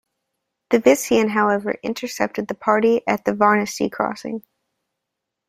The Vissani however intercepted the party at the Varenesi crossing.